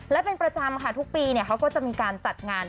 และเป็นประจำค่ะทุกปีเขาก็จะมีการจัดงาน